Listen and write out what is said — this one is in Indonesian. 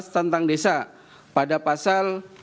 tentang desa pada pasal